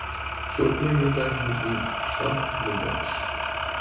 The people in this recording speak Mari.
ШӦРТНЬӦ МЕДАЛЬ НЕРГЕН ШАРНЫМАШ